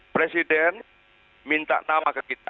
presiden minta nama ke kita